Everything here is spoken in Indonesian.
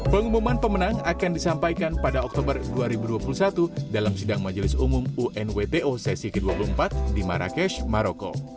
pengumuman pemenang akan disampaikan pada oktober dua ribu dua puluh satu dalam sidang majelis umum unwto sesi ke dua puluh empat di marrakesh maroko